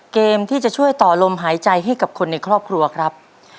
เกมที่จะช่วยต่อลมหายใจให้กับคนในครอบครัวครับ